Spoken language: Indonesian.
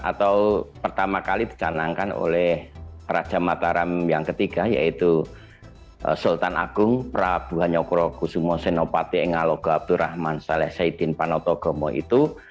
atau pertama kali dicanangkan oleh raja mataram yang ketiga yaitu sultan agung prabuhan yokro kusumo senopati engaloga abdurrahman saleh saidin panotogomo itu